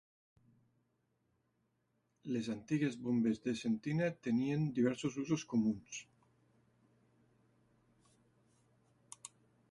Les antigues bombes de sentina tenien diversos usos comuns.